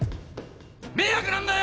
迷惑なんだよ。